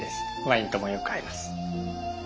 ワインともよく合います。